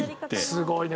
すごいね。